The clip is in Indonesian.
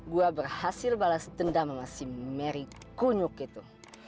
gue berhasil balas dendam sama si merry kunyuk itu